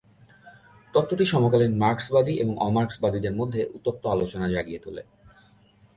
তত্ত্বটি সমকালীন মার্কসবাদী এবং অ-মার্কসবাদীদের মধ্যে উত্তপ্ত আলোচনা জাগিয়ে তোলে।